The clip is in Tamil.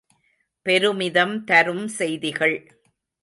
பெருமிதம் தரும் செய்திகள்!